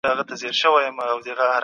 د څښاک اوبه لومړنی حق دی.